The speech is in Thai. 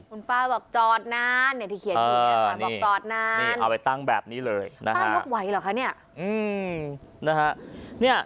คุณป้าบอกจอดนานเอาไว้ตั้งแบบนี้เลย